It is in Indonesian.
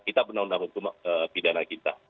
kita benar benar hukum pidana kita